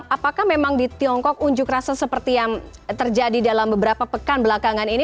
apakah memang di tiongkok unjuk rasa seperti yang terjadi dalam beberapa pekan belakangan ini